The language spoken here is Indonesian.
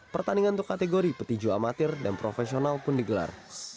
pertandingan untuk kategori petinju amatir dan profesional pun digelar